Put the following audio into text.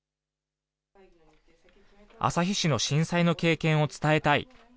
旭市の震災の経験を伝えたい。